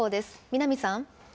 南さん。